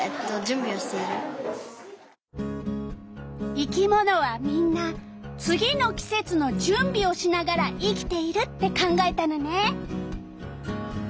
「生き物はみんな次の季節の準備をしながら生きている」って考えたのね。